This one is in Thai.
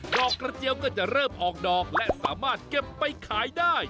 ดอกกระเจียวก็จะเริ่มออกดอกและสามารถเก็บไปขายได้